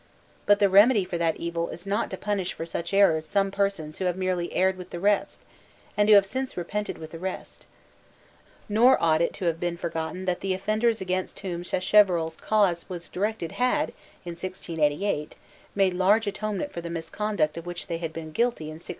But the remedy for that evil is not to punish for such errors some persons who have merely erred with the rest, and who have since repented with the rest. Nor ought it to have been forgotten that the offenders against whom Sacheverell's clause was directed had, in 1688, made large atonement for the misconduct of which they had been guilty in 1683.